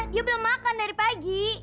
dia belum makan dari pagi